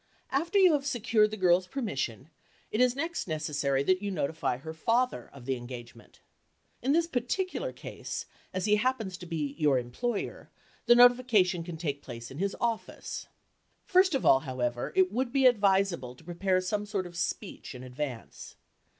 After you have secured the girl's permission, it is next necessary that you notify her father of the engagement. In this particular case, as he happens to be your employer, the notification can take place in his office. First of all, however, it would be advisable to prepare some sort of speech in advance.